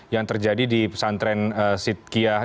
yang terjadi di pesantren sidkiah